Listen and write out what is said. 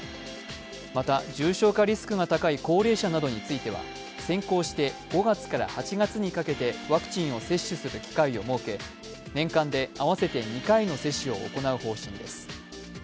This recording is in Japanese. また、重症化リスクが高い高齢者などについては先行して５月から８月にかけてワクチンを接種する機会を設け年間で合わせて２回の接種を行う方針です。